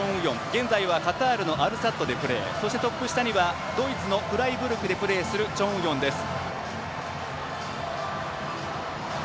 現在はカタールのアルサッドでプレートップ下にはドイツのフライブルクでプレーするチョン・ウヨンです。